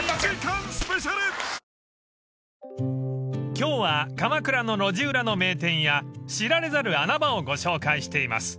［今日は鎌倉の路地裏の名店や知られざる穴場をご紹介しています］